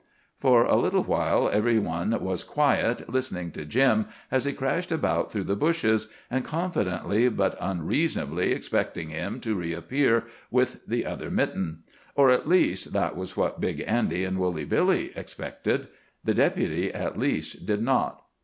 For a little while every one was quiet, listening to Jim as he crashed about through the bushes, and confidently but unreasonably expecting him to reappear with the other mitten. Or, at least, that was what Big Andy and Woolly Billy expected. The Deputy, at least, did not.